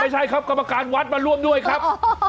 ใช่ครับกรรมการวัดมาร่วมด้วยครับ